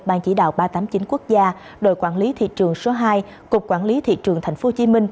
ban chỉ đạo ba trăm tám mươi chín quốc gia đội quản lý thị trường số hai cục quản lý thị trường tp hcm